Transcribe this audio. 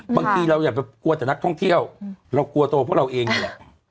บางทีเราอย่าไปกลัวแต่นักท่องเที่ยวเรากลัวตัวพวกเราเองนี่แหละ